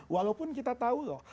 walaupun kita tahu loh